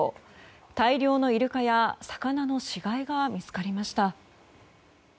大量のイルカや魚の死骸が見つかりました。